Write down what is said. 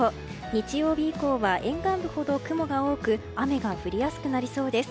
日曜日以降は沿岸部ほど雲が多く雨が降りやすくなりそうです。